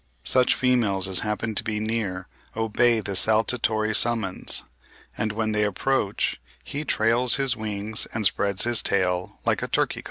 Such females as happen to be near "obey this saltatory summons," and when they approach he trails his wings and spreads his tail like a turkey cock.